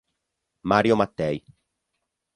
Mario Mattei